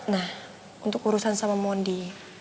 nah untuk urusan sama mondi